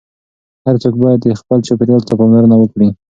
هر څوک باید خپل چاپیریال ته پاملرنه وکړي.